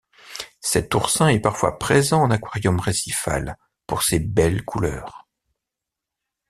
Cet oursin est parfois présent en aquarium récifal pour ses belles couleurs.